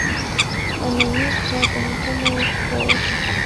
Автономист-влакын кумылышт волыш.